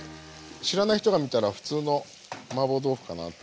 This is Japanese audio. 知らない人が見たら普通のマーボー豆腐かなと思いますよね。